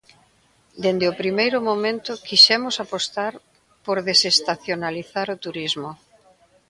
Dende o primeiro momento quixemos apostar por desestacionalizar o turismo.